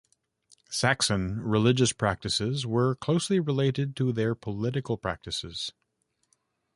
Saxon religious practices were closely related to their political practices.